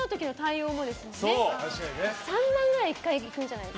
３万ぐらい１回いくんじゃないですか？